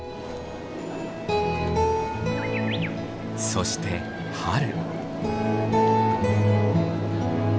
そして春。